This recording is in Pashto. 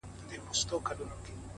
o زما خوښيږي پر ماگران دى د سين تـورى.